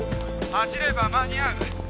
走れば間に合う。